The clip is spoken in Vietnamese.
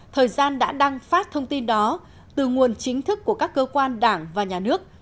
thời gian đã đăng phát thông tin đó từ nguồn chính thức của các cơ quan đảng và nhà nước